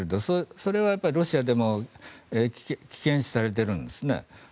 それはロシアでも危険視されているんですね。